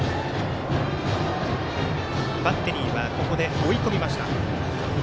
バッテリーは追い込みました。